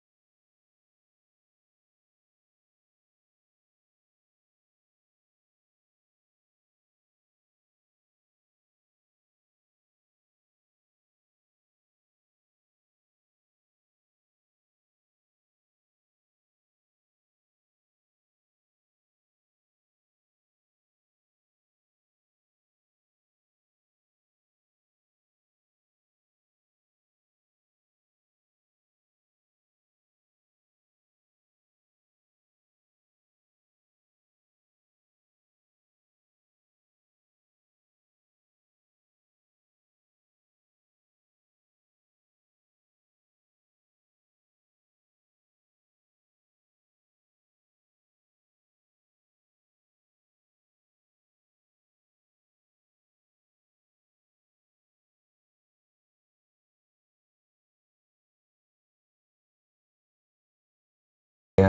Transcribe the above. kenapa kita pindah ke luar sana ma